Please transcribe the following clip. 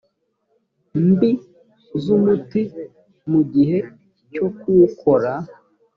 mbi z umuti mu gihe cyo kuwukora